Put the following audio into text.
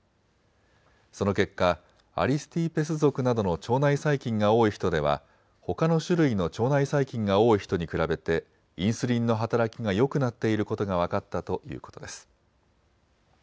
その結果、アリスティペス属などの腸内細菌が多い人ではほかの種類の腸内細菌が多い人に比べてインスリンの働きがよくなっていることが分かったということです。